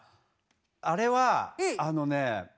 あれはあのね